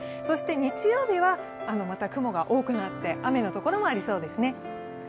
そして日曜日はまた雲が多くなって雨のところもありそうですね。